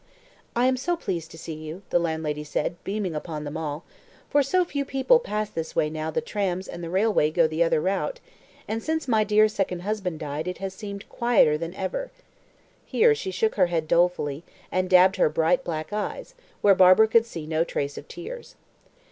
"I am so pleased to see you," the landlady said, beaming upon them all, "for few people pass this way now the trams and the railway go the other route; and since my dear second husband died it has seemed quieter than ever." Here she shook her head dolefully, and dabbed her bright, black eyes, where Barbara could see no trace of tears.